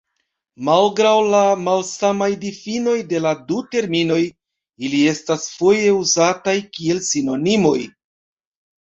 Malgraŭ la malsamaj difinoj de la du terminoj, ili estas foje uzataj kiel sinonimoj.